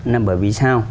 nằm bởi vì sao